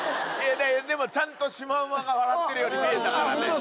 でもちゃんとシマウマが笑ってるように見えたからね。